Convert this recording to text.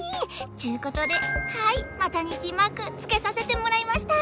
っちゅうことではいマタニティマークつけさせてもらいました！